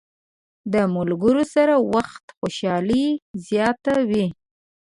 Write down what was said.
د ملګرو سره وخت خوشحالي زیاته وي.